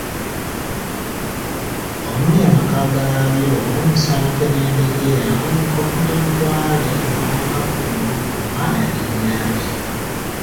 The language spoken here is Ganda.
"Omuli amaka gaabyo, Nsanke n’endegeya, Nkofu n’enkwale, Ngaanga kunguvvu, Mmaaya n’ennyange."